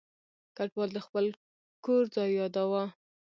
کډوال د خپل کور ځای یاداوه.